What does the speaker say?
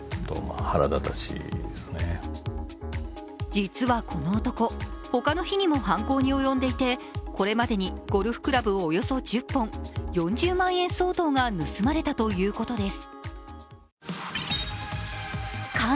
実はこの男、他の日にも犯行に及んでいてこれまでにゴルフクラブおよそ１０本４０万円相当が盗まれたということです。